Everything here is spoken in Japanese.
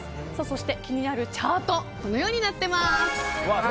そして気になるチャートはこのようになってます。